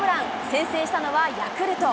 先制したのはヤクルト。